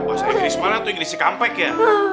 bahasa inggris mana tuh inggris si kampek ya